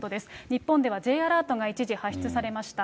日本ではＪアラートが一時、発出されました。